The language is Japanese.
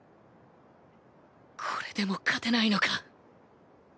これでも勝てないのか。